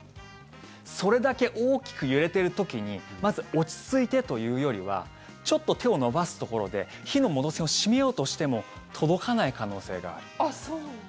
それだけ大きく揺れてる時にまず落ち着いてというよりはちょっと手を伸ばすところで火の元栓を閉めようとしても届かない可能性がある。